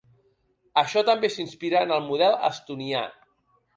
Això també s’inspira en el model estonià.